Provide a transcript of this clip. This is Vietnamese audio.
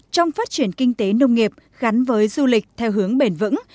trong phát triển kinh tế nông nghiệp gắn với du lịch theo hướng bền vững